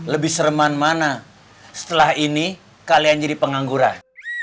lebih sereman mana setelah ini kalian jadi pengangguran